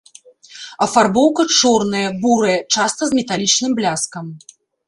Афарбоўка, чорная, бурая, часта з металічным бляскам.